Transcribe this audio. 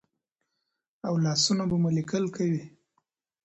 او لاسونه به مو لیکل کوي.